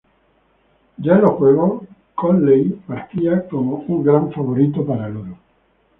Ya en los Juegos, Conley partía como gran favorito para el oro.